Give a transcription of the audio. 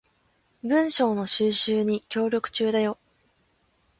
文章の収集に協力中だよ